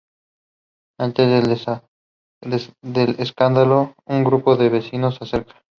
Ante el escándalo un grupo de vecinos se acerca.